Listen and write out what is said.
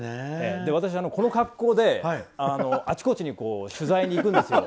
私、この格好であちこちに取材に行くんです。